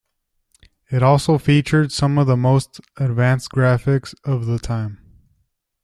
It also featured some of the most advanced graphics of the time.